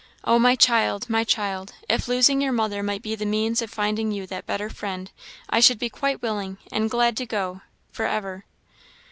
Oh, my child, my child! if losing your mother might be the means of finding you that better Friend, I should be quite willing and glad to go for ever."